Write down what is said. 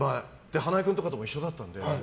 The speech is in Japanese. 花江君とかも一緒だったので。